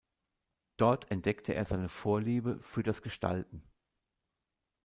Dort entdeckte er seine Vorliebe für das Gestalten.